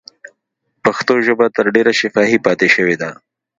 پښتو ژبه تر ډېره شفاهي پاتې شوې ده.